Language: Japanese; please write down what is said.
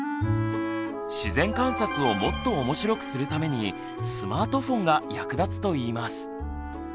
自然観察をもっと面白くするためにスマートフォンが役立つといいます。